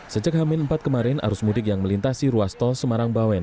sejak hamin empat kemarin arus mudik yang melintasi ruas tol semarang bawen